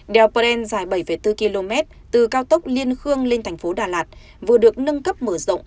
đèo pren dài bảy bốn km từ cao tốc liên khương lên thành phố đà lạt vừa được nâng cấp mở rộng